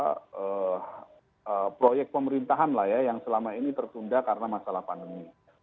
nah itu adalah proyek pemerintahan lah ya yang selama ini tertunda karena masalah pandemi